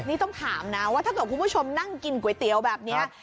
นี่ต้องถามนะว่าถ้าเกิดคุณผู้ชมนั่งกินก๋วยเตี๋ยวแบบนี้